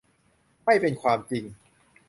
ไม่เป็นความจริง